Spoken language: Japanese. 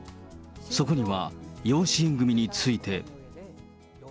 そこには、養子縁組について。